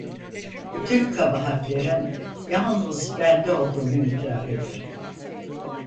Bütün kabahatlerin yalnız bende olduğunu itiraf ederim.